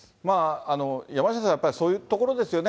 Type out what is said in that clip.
山下さん、やっぱりそういうところですよね。